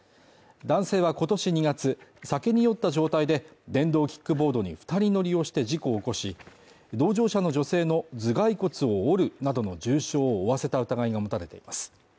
男性は今年２月、酒に酔った状態で電動キックボードに２人乗りをして事故を起こし、同乗者の女性の頭蓋骨を折るなどの重傷を負わせた疑いが持たれています。